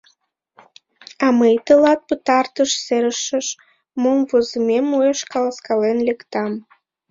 А мый тылат пытартыш серышеш мом возымем уэш каласкален лектам.